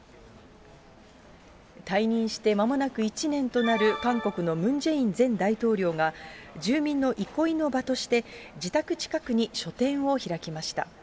退任してまもなく１年となる韓国のムン・ジェイン前大統領が、住民の憩いの場として、自宅近くに書店を開きました。